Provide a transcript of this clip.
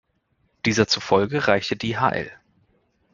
Dieser zufolge reichte die hl.